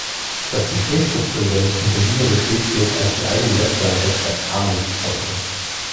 Dass die Facebook-Präsenz intensiver gepflegt wird als die eigene Website, ist ein Armutszeugnis.